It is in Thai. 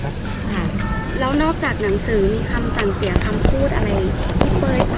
ภาษาสนิทยาลัยสุดท้าย